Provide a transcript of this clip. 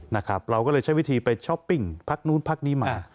นะครับเราก็เลยใช้วิธีไปช้อปปิ้งพักนู้นพักนี้มา